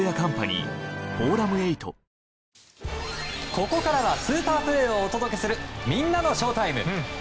ここからはスーパープレーをお届けするみんなのＳＨＯＷＴＩＭＥ。